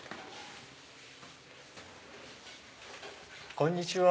こんにちは。